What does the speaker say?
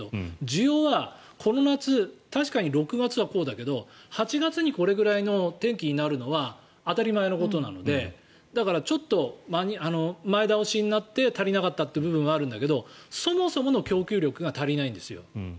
需要はこの夏、確かに６月はこうだけど８月にこれぐらいの天気になるのは当たり前のことなのでだから、ちょっと前倒しになって足りなかった部分はあるんだけどそもそもの供給力が足りないんですよ。